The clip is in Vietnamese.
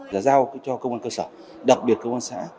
là giao cho công an cơ sở đặc biệt công an xã